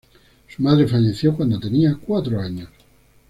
Su madre falleció cuando tenía cuatro años.